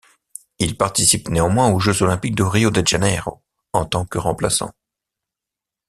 Il participe néanmoins aux Jeux olympiques de Rio de Janeiro en tant que remplaçant.